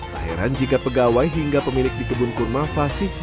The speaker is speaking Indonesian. tak heran jika pegawai hingga pemilik di kebun kurma klasik